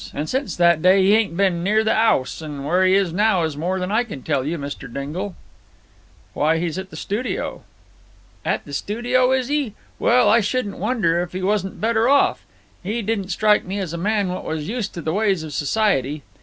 And since that day 'e ain't been near the 'ouse, and where he is now is more than I can tell you, Mr. Dingle." "Why, he's at the studio." "At the studio, is he? Well, I shouldn't wonder if he wasn't better off. 'E didn't strike me as a man what was used to the ways of society.